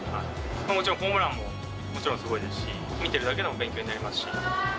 もちろん、ホームランも、もちろんすごいですし、見ているだけでも勉強になりますし。